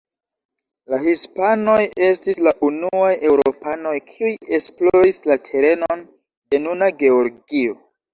La hispanoj estis la unuaj eŭropanoj, kiuj esploris la terenon de nuna Georgio.